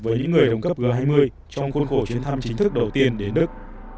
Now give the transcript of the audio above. với những người đồng cấp g hai mươi trong khuôn khổ chuyến thăm chính thức đầu tiên đến đức